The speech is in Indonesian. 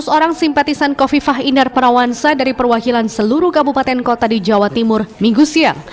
dua ratus orang simpatisan kofifah indar parawansa dari perwakilan seluruh kabupaten kota di jawa timur minggu siang